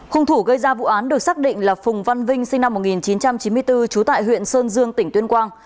hung thủ gây ra vụ án được xác định là phùng văn vinh sinh năm một nghìn chín trăm chín mươi bốn trú tại huyện sơn dương tỉnh tuyên quang